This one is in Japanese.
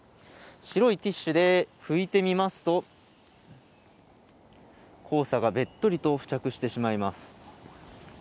白いティッシュでふいてみますと黄砂がべっとりと付着してしまいます。